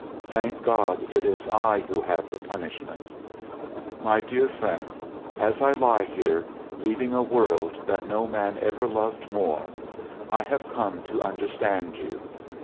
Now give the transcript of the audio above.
Thank God, it is I who have the punishment. By dear friend, as I lie here, leaving a world that no man ever loved more, I have come to understand you.